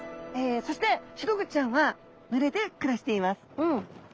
そしてシログチちゃんは群れで暮らしています。